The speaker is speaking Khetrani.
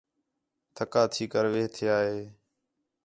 تھکا تھی کر وِہ تِھیا ہیں